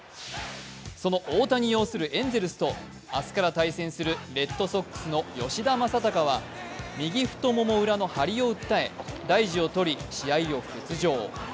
その大谷擁するエンゼルスと明日から対戦するレッドソックスの吉田正尚は右太もも裏の張りを訴え大事をとり、試合を欠場。